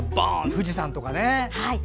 富士山とかね。